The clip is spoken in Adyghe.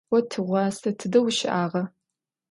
Vo tığuase tıde vuşı'ağa?